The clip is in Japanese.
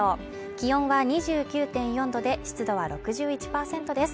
気温は２９．４度で、湿度は６１％です。